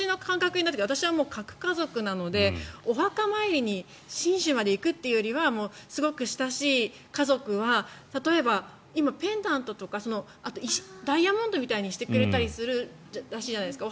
私はもう核家族なのでお墓参りに信州まで行くっていうよりはすごく親しい家族は例えば、今、ペンダントとかあとダイヤモンドみたいにしてくれたりするらしいじゃないですか。